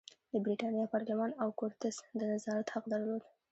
د برېتانیا پارلمان او کورتس د نظارت حق درلود.